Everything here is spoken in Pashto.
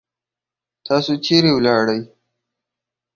تاسو چیرې ولاړی؟